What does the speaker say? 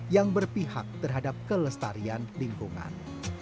yang berpihak terhadap kelestarian lingkungan